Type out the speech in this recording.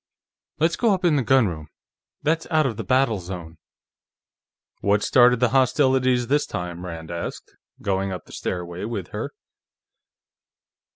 Let's go up in the gunroom; that's out of the battle zone." "What started the hostilities this time?" Rand asked, going up the stairway with her.